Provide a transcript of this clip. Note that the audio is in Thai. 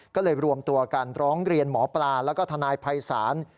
ก็เลยรวมตัวกันร้องเรียนหมอปลาแล้วก็ทนายภัยศาล